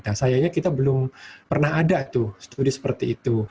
nah sayangnya kita belum pernah ada tuh studi seperti itu